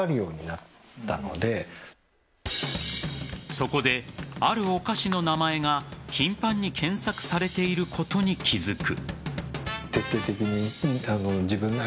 そこで、あるお菓子の名前が頻繁に検索されていることに気付く。